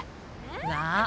なあ。